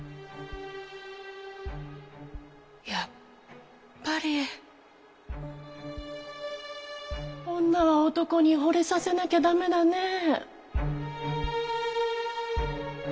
やっぱり女は男にほれさせなきゃ駄目だねぇ。